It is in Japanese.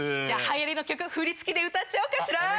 じゃ流行りの曲振り付きで歌っちゃおうかしら。